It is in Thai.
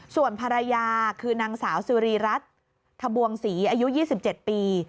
ส่วนภรรยาคือนางสาวสุรีรัฐทบวงศรีอายุ๒๗ปี